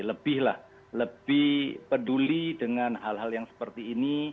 lebih peduli dengan hal hal yang seperti ini